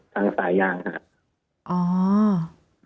ทางสายยางนะครับ